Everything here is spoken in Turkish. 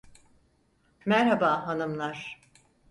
Merhaba hanımlar.